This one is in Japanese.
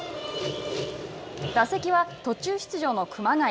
打席は、途中出場の熊谷。